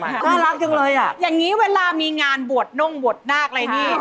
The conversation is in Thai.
น่ารักจังเลยอ่ะอย่างนี้เวลามีงานบวชน่งบวชนาคอะไรนี่